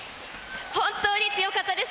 本当に強かったです。